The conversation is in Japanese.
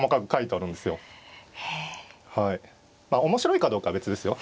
まあ面白いかどうかは別ですよ。